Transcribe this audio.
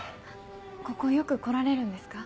ここよく来られるんですか？